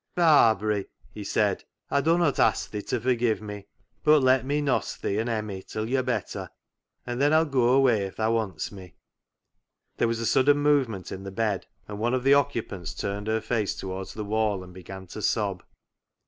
" Barbary !" he said, " I dunnot ask thee to forgive me, but let me noss thee an' Emmie till you're better, and then I'll goa away if tha wants me." There was a sudden movement in the bed, and one of the occupants turned her face toward the wall and began to sob.